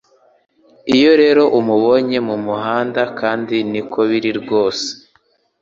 Iyo rero umubonye mumuhanda kandi niko biri rwose